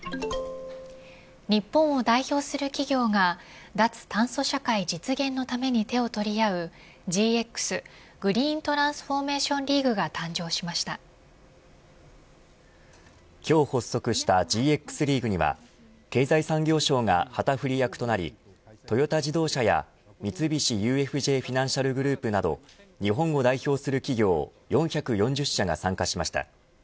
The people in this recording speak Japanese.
日本を代表する企業が脱炭素社会実現のために手を取り合うＧＸグリーントランスフォーメーションリーグが今日発足したＧＸリーグには経済産業省が旗振り役となりトヨタ自動車や三菱ＵＦＪフィナンシャル・グループなど日本を代表する企業４４０社が参加しました。